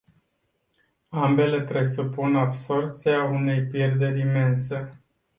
Ambele presupun absorbția unei pierderi imense.